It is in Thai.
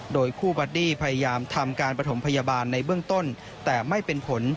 โดยคู่บัดดี้พยายามทำการประถมพยาบาลในเบื้องต้นแต่ไม่เป็นผล